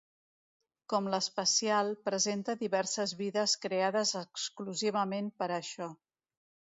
Com l'especial, presenta diverses vides creades exclusivament per a això.